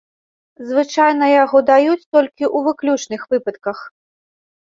Звычайна яго даюць толькі ў выключных выпадках.